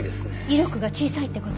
威力が小さいって事？